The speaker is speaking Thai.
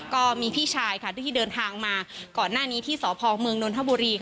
ก็มีพี่ชายค่ะที่เดินทางมาก่อนหน้านี้ที่สพเมืองนนทบุรี